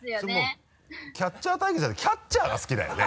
それもうキャッチャー体形じゃなくてキャッチャーが好きだよね？